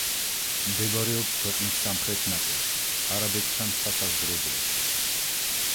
მდებარეობს ქვეყნის სამხრეთ ნაწილში, არაბეთთან სასაზღვრო ზოლში.